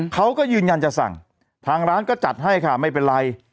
เขาก็ยืนยันจะสั่งทางร้านก็จัดให้ค่ะไม่เป็นไร